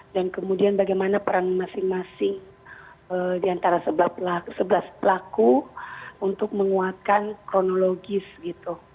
dan kemudian bagaimana perang masing masing diantara sebelah pelaku untuk menguatkan kronologis gitu